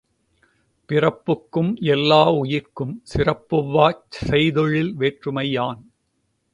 பிறப்பொக்கும் எல்லா உயிர்க்கும் சிறப்பொவ்வாச் செய்தொழில் வேற்றுமை யான்.